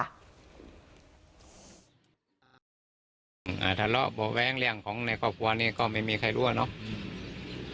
อ่าทะเลาะบอกแว้งเรียงของในครอบครัวเนี่ยก็ไม่มีใครรู้อ่ะเนาะ